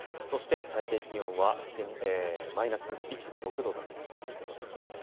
最低気温はマイナス１．６度だということです。